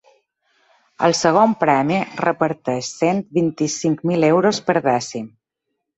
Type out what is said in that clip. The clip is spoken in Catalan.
El segon premi reparteix cent vint-i-cinc mil euros per dècim.